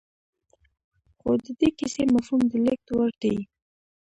خو د دې کيسې مفهوم د لېږد وړ دی.